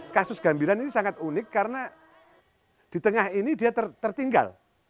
kasus gambiran ini sangat unik karena di tengah ini dia tertinggal